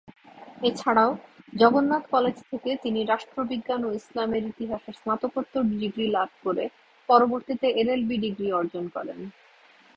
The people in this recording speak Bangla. এছাড়া ও জগন্নাথ কলেজ থেকে তিনি রাষ্ট্রবিজ্ঞান ও ইসলামের ইতিহাসে স্নাতকোত্তর ডিগ্রি লাভ করে পরবর্তীতে এলএলবি ডিগ্রী অর্জন করেন।